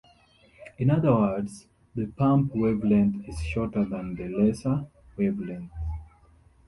In other words, the pump wavelength is shorter than the laser wavelength.